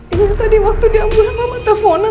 iya tadi waktu dia ambulan mama teleponan